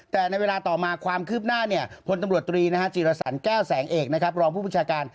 แต่ในเวลาต่อมาความคืบหน้าพลตำรวจตรีจีรสันแก้วแสงเอกนะครับรองผู้บัญชาการ